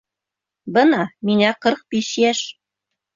Бына миңә ҡырҡ биш йәш.